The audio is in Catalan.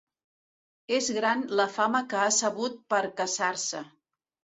És gran la fama que ha sabut percaçar-se.